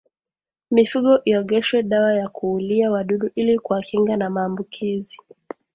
Mifugo iogeshwe dawa ya kuulia wadudu ili kuwakinga na maambukizi